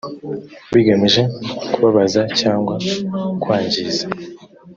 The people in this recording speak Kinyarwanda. bigamije kubabaza cyangwa kwangiza